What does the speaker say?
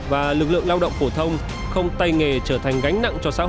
và lực lượng lao động phổ thông không tay nghề trở thành gánh nặng cho xã hội